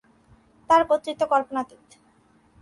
তার কৃতিত্ব কল্পনাতীত।